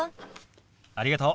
ありがとう。